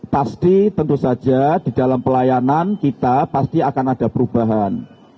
pasti tentu saja di dalam pelayanan kita pasti akan ada perubahan